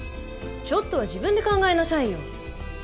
ちょっとは自分で考えなさいよ。